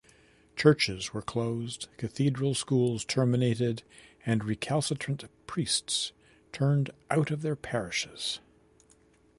Churches were closed, cathedral schools terminated, and recalcitrant priests turned out of their parishes.